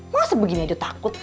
masa begini aja takut